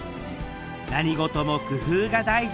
何事も工夫が大事！